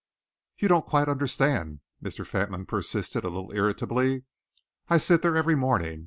"You don't quite understand," Mr. Fentolin persisted, a little irritably. "I sit there every morning.